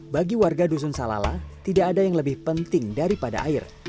bagi warga dusun salala tidak ada yang lebih penting daripada air